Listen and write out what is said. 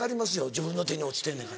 自分の手に落ちてんねんから。